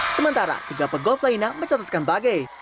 sementara tiga pegolf lainnya mencatatkan bagai